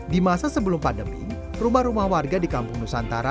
di masa sebelum pandemi rumah rumah warga di kampung nusantara